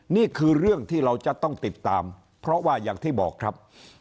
นี่คือเรื่องที่เราจะต้องติดตามเพราะว่าอย่างที่บอกครับ